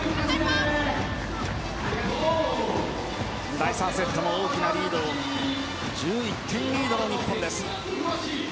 第３セットも大きなリード１１点リードの日本です。